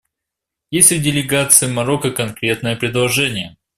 Есть ли у делегации Марокко конкретное предложение?